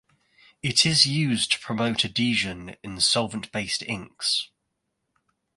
It is used to promote adhesion in solvent-based inks.